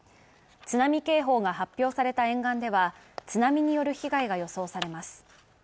津波警報が発表された沿岸では津波による被害が予想されます。